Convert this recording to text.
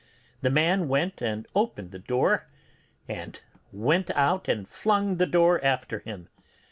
The man went and opened the door, and went out and flung the door after him.